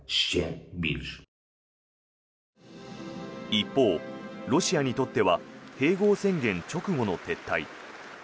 一方、ロシアにとっては併合宣言直後の撤退。